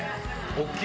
大っきい！